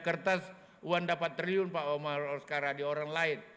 kertas uang dapat triliun pak omar oskara di orang lain